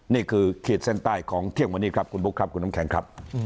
ขีดเส้นใต้ของเที่ยงวันนี้ครับคุณบุ๊คครับคุณน้ำแข็งครับ